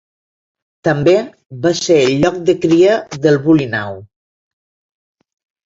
També va ser el lloc de cria del "Bulinaw".